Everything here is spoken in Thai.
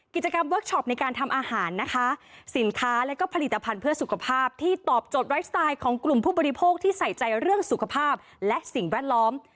กิจกรรมเวิร์คชอปในการทำอาหารนะคะสินค้าและก็ผลิตภัณฑ์เพื่อสุขภาพที่ตอบโจทย์ไลฟ์สไตล์ของกลุ่มผู้บริโภคที่ใส่ใจเรื่องสุขภาพและสิ่งแวดล้อม